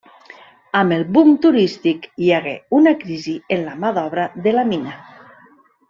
Amb el boom turístic hi hagué una crisi en la mà d'obra de la mina.